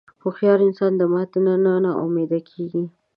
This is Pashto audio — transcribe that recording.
هوښیار انسان د ماتې نه نا امیده نه کېږي.